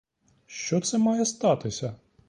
Що це має статися?